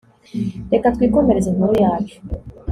reka twikomereze inkuru yacu